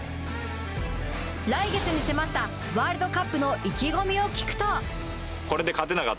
来月に迫ったワールドカップの意気込みを聞くと。